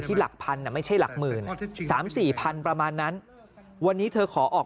หลักพันไม่ใช่หลักหมื่น๓๔พันประมาณนั้นวันนี้เธอขอออก